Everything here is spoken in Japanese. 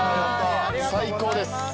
最高です。